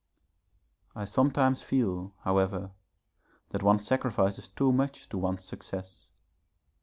I sometimes feel, however, that one sacrifices too much to one's success.